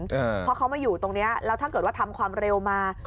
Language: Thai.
เพราะเขามาอยู่ตรงนี้แล้วถ้าเกิดว่าทำความเร็วมา